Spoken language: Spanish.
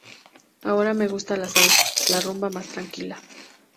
Ahora me gusta la salsa, la rumba más tranquila.